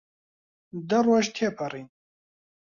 دە ڕۆژ تێپەڕین.